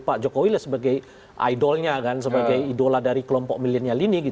pak jokowi lah sebagai idolnya kan sebagai idola dari kelompok milenial ini